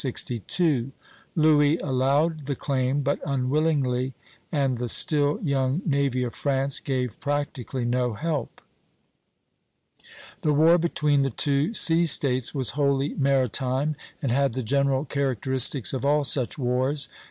Louis allowed the claim, but unwillingly; and the still young navy of France gave practically no help. The war between the two sea States was wholly maritime, and had the general characteristics of all such wars.